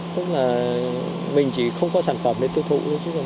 tức là mình chỉ không có sản phẩm để tiêu thụ